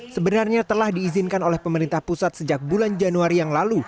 sebenarnya telah diizinkan oleh pemerintah pusat sejak bulan januari yang lalu